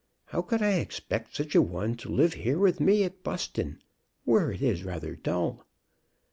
How could I expect such a one to live here with me at Buston, where it is rather dull?